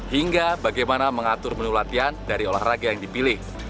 hingga bagaimana mengatur menu latihan dari olahraga yang dipilih